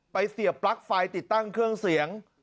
เสียบปลั๊กไฟติดตั้งเครื่องเสียง